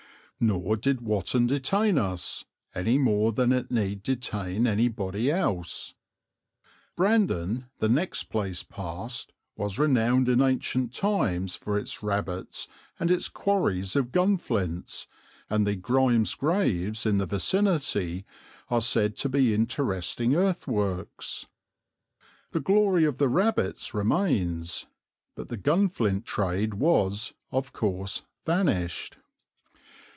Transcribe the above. Nor did Watton detain us, any more than it need detain anybody else. Brandon, the next place passed, was renowed in ancient times for its rabbits and its quarries of gunflints, and the "Grime's graves" in the vicinity are said to be interesting earthworks. The glory of the rabbits remains, but the gunflint trade was, of course, vanished.